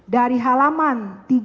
dari halaman tiga ribu tujuh puluh